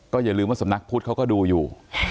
อย่าลืมว่าสำนักพุทธเขาก็ดูอยู่